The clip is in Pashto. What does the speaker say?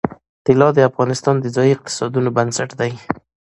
طلا د افغانستان د ځایي اقتصادونو بنسټ دی.